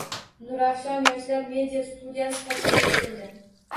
Nurafshon yoshlar media-studiyasi tashkil etildi